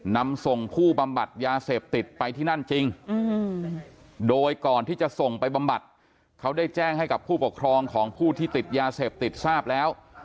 นำส่งผู้บำบัดยาเสพติดไปที่นั่นจริงโดยก่อนที่จะส่งไปบำบัดเขาได้แจ้งให้กับผู้ปกครองของผู้ที่ติดยาเสพติดทราบแล้ว